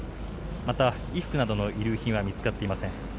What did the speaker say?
また、衣服などの遺留品は見つかっていません。